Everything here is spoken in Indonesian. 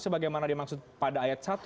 sebagaimana dimaksud pada ayat satu